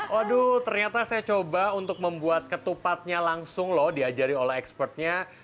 waduh ternyata saya coba untuk membuat ketupatnya langsung loh diajari oleh expertnya